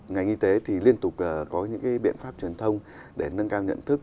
ngành y tế thì liên tục có những biện pháp truyền thông để nâng cao nhận thức